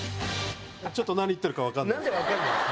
ちょっと何言ってるかわかんないです。